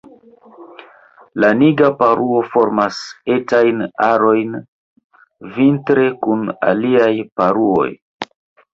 La Nigra paruo formas etajn arojn vintre kun aliaj paruoj.